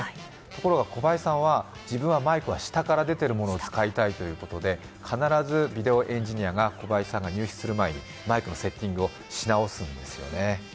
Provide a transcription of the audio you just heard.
ところが小林さんは、自分はマイクは下から出ているものを使いたいということで必ずビデオエンジニアが、小林さんが入室する前にマイクのセッティングをし直すんですよね。